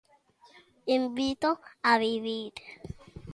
Invito a vivir.